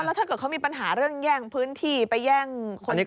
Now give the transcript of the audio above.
แล้วถ้าเกิดเขามีปัญหาเรื่องแย่งพื้นที่ไปแย่งคนอื่น